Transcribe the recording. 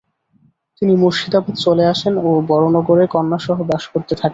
তিনি মুর্শিদাবাদ চলে আসেন ও বড়নগরে কন্যাসহ বাস করতে থাকেন।